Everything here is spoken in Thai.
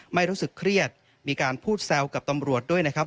ไม่รู้สึกเครียดมีการพูดแซวกับตำรวจด้วยนะครับ